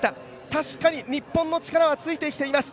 確かに日本の力はついてきてます。